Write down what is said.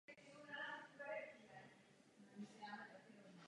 Patří sem i ještě jednou přezkoumat legislativu Evropské unie.